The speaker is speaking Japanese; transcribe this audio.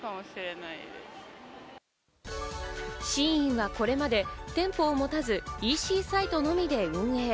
ＳＨＥＩＮはこれまで店舗を持たず、ＥＣサイトのみで運営。